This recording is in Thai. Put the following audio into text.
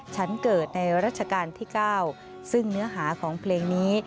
ฉันเกิดในรัชกาลที่๙ซึ่งเนื้อหาของเพลงนี้